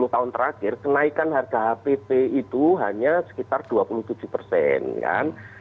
sepuluh tahun terakhir kenaikan harga hpt itu hanya sekitar dua puluh tujuh kan